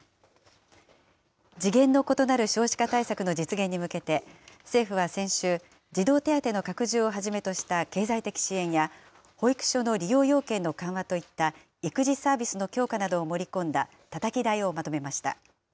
次元の異なる少子化対策の実現に向けて、政府は先週、児童手当の拡充をはじめとした経済的支援や、保育所の利用要件の緩和といった育児サービスの強化などを盛り込んだ、たたき台をまとめました。